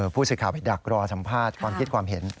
ผู้สื่อข่าวไปดักรอสัมภาษณ์ความคิดความเห็น